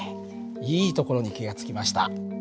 いいところに気が付きました。